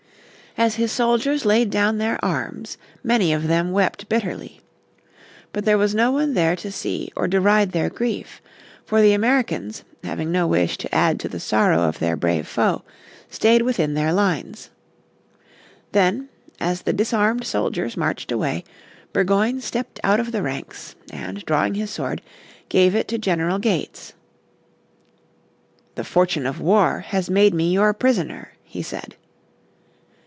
As his soldiers laid down their arms many of them wept bitterly. But there was no one there to see or deride their grief. For the Americans, having no wish to add to the sorrow of their brave foe, stayed within their lines. Then, as the disarmed soldiers marched away, Burgoyne stepped out of the ranks, and, drawing his sword, gave it to General Gates. "The fortune of war has made me your prisoner," he said.